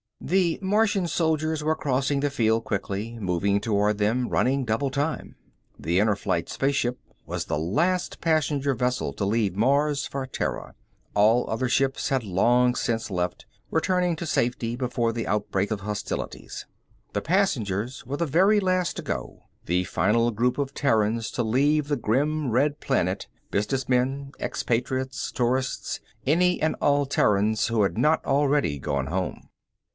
The Martian soldiers were crossing the field quickly, moving toward them, running double time. This Inner Flight spaceship was the last passenger vessel to leave Mars for Terra. All other ships had long since left, returning to safety before the outbreak of hostilities. The passengers were the very last to go, the final group of Terrans to leave the grim red planet, business men, expatriates, tourists, any and all Terrans who had not already gone home.